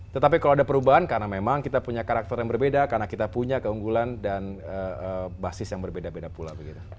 tetapi kalau ada perubahan karena memang kita punya karakter yang berbeda karena kita punya keunggulan dan basis yang berbeda beda pula